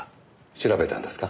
調べたんですか？